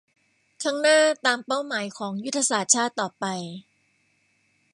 ข้างหน้าตามเป้าหมายของยุทธศาสตร์ชาติต่อไป